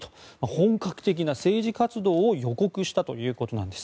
本格的な政治活動を予告したということです。